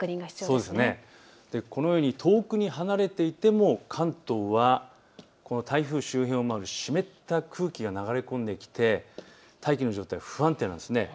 このように遠くに離れていても関東はこの台風周辺を回る湿った空気が流れ込んできて大気の状態、不安定なんです。